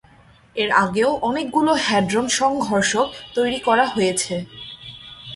এর আগেও অনেকগুলো হ্যাড্রন-সংঘর্ষক তৈরি করা হয়েছে।